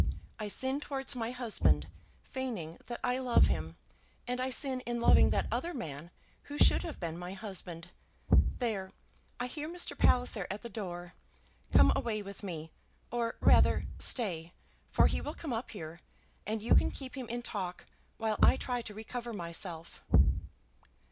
I sin towards my husband, feigning that I love him; and I sin in loving that other man, who should have been my husband. There; I hear Mr. Palliser at the door. Come away with me; or rather, stay, for he will come up here, and you can keep him in talk while I try to recover myself."